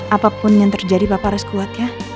apapun yang terjadi bapak harus kuat ya